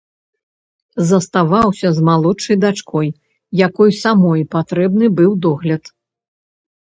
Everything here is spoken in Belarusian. Заставаўся з малодшай дачкой, якой самой патрэбны быў догляд.